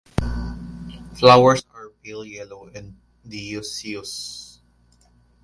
Flowers are pale yellow and dioecious.